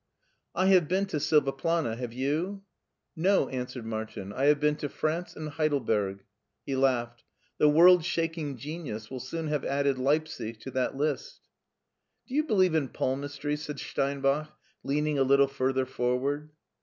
" I have been to Silvaplana, have you ?"" No,'' answered Martin ;*' I have been to France and Heidelberg!" He laughed. "The world shaking genius will soon have added Leipsic to that list." "Do you believe in palmistry?" said Steinbach, leaning a little further forward.